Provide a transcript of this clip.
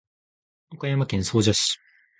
岡山県総社市